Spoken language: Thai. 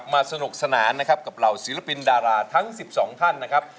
สนุกสนานนะครับกับเหล่าศิลปินดาราทั้ง๑๒ท่านนะครับ